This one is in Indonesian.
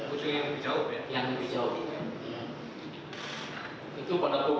ujung yang lebih jauh ya